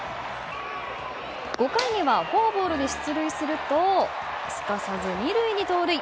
５回にはフォアボールで出塁するとすかさず２塁に盗塁。